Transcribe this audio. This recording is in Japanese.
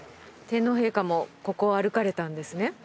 天皇陛下もここを歩かれたんですね？